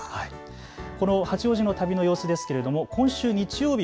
この八王子の旅の様子ですけれども今週日曜日